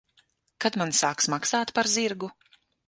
Kad man sāks maksāt par zirgu?